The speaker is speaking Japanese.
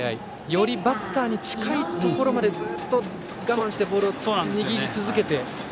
よりバッターに近いところまでずっと我慢してボールを握り続けて。